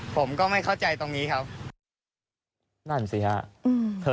ผมก็ไม่เข้าใจตรงนี้ครับ